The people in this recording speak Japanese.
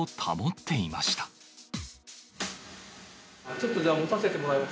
ちょっとじゃあ持たせてもらいます。